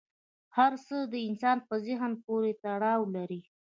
هر څه د انسان په ذهن پورې تړاو لري.